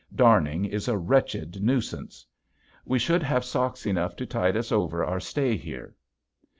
Darning is a wretched nuisance. We should have socks enough to tide us over our stay here.